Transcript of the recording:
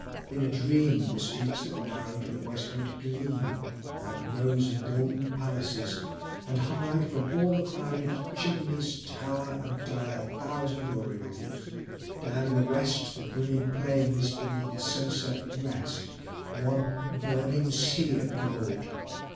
In a dream The streets that narrow to the westward gleam Like rows of golden palaces; and high From all the crowded chimneys tower and die A thousand aureoles. Down in the west The brimming plains beneath the sunset rest, One burning sea of gold.